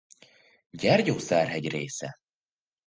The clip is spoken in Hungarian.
Gyergyószárhegy része.